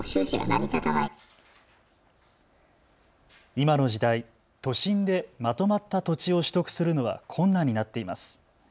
今の時代、都心でまとまった土地を取得するのは困難になっています。